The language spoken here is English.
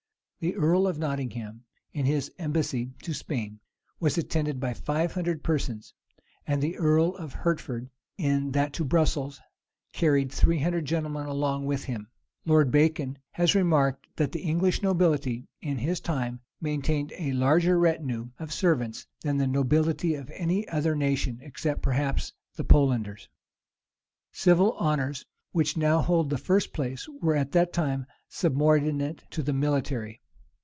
The earl of Nottingham, in his embassy to Spain, was attended by five hundred persons: the earl of Hertford, in that to Brussels, carried three hundred gentlemen along with him. Lord Bacon has remarked, that the English nobility, in his time, maintained a larger retinue of servants than the nobility of any other nation, except, perhaps, the Polanders.[*] Civil honors, which now hold the first place, were at that time subordinate to the military.